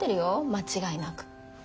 間違いなく。